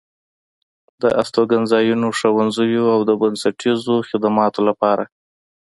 د استوګنځايو، ښوونځيو او د بنسټيزو خدماتو لپاره